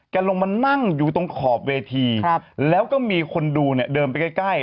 ลงมานั่งอยู่ตรงขอบเวทีแล้วก็มีคนดูเนี่ยเดินไปใกล้